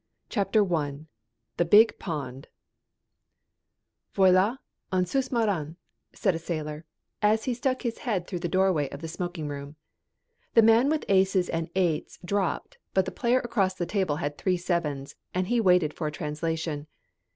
CHAPTER I THE BIG POND "Voilà un sousmarin," said a sailor, as he stuck his head through the doorway of the smoking room. The man with aces and eights dropped, but the player across the table had three sevens, and he waited for a translation.